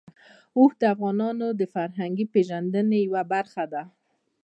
اوښ د افغانانو د فرهنګي پیژندنې یوه برخه ده.